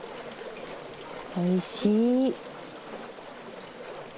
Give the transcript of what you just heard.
おいしい。